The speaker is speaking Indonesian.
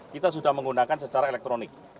kita sudah menggunakan secara elektronik